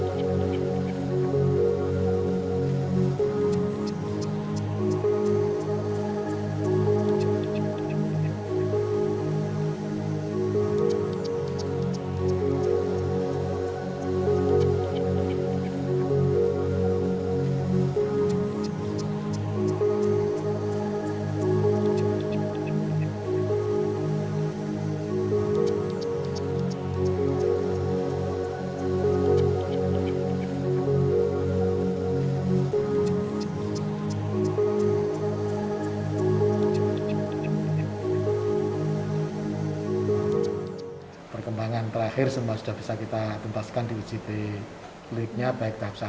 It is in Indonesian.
jangan lupa like share dan subscribe ya